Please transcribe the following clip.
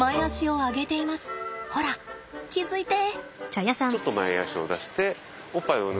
ほら気付いて！